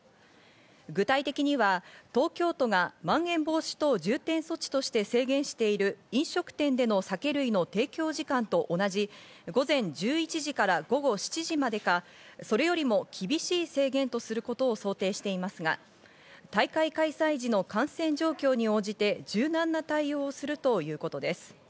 具体的には東京都がまん延防止等重点措置として制限している飲食店での酒類の提供時間と同じ午前１１時から午後７時までかそれよりも厳しい制限とすることを想定していますが、大会開催時の感染状況に応じて柔軟な対応をするということです。